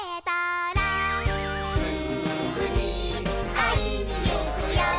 「すぐにあいにいくよ」